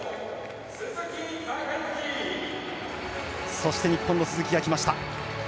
そして、日本の鈴木が来ました。